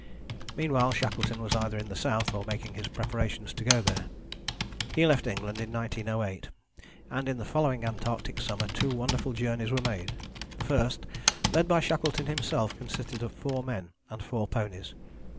Meanwhile Shackleton was either in the South or making his preparations to go there. He left England in 1908, and in the following Antarctic summer two wonderful journeys were made. The first, led by Shackleton himself, consisted of four men and four ponies.